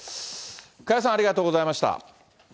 加谷さん、ありがとうございました。